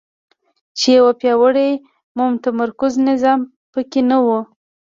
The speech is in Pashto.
چې یو پیاوړی متمرکز نظام په کې نه وو.